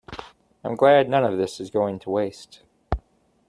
I'm glad none of this is going to waste.